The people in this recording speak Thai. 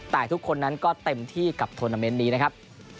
แต่ทุกคนนั้นก็เต็มที่กับทวนาเมนต์นี้นะครับ